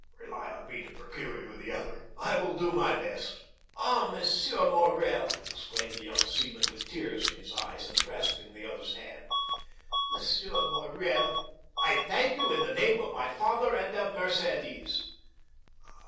Rely on me to procure you the other; I will do my best." "Ah, M. Morrel," exclaimed the young seaman, with tears in his eyes, and grasping the owner's hand, "M. Morrel, I thank you in the name of my father and of Mercédès."